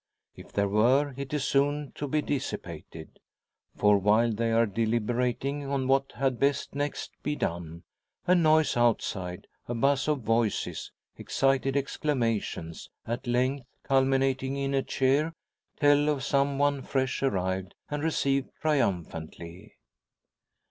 If there were, it is soon to be dissipated. For while they are deliberating on what had best next be done, a noise outside, a buzz of voices, excited exclamations, at length culminating in a cheer, tell of some one fresh arrived and received triumphantly.